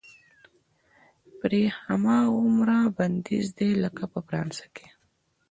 پرې هماغومره بندیز دی لکه په فرانسه کې.